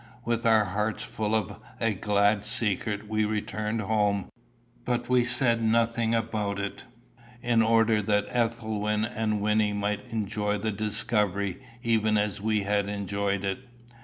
With our hearts full of a glad secret we returned home, but we said nothing about it, in order that Ethelwyn and Wynnie might enjoy the discovery even as we had enjoyed it.